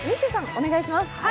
お願いします。